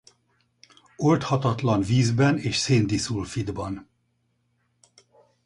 Oldhatatlan vízben és szén-diszulfidban.